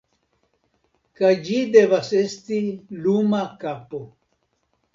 Kaj ĝi devas esti luma kapo.